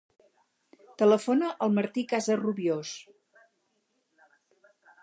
Telefona al Martí Casarrubios.